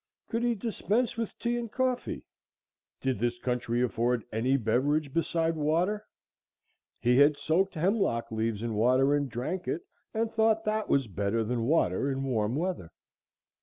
Could he dispense with tea and coffee? Did this country afford any beverage beside water? He had soaked hemlock leaves in water and drank it, and thought that was better than water in warm weather.